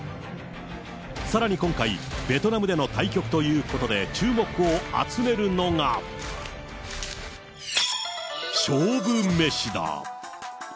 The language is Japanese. さらに今回、ベトナムでの対局ということで注目を集めるのが勝負メシだ。